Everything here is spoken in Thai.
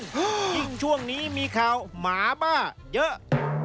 ยิ่งช่วงนี้มีข่าวหมาบ้าเยอะ